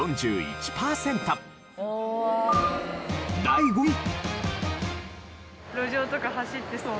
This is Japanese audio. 第５位。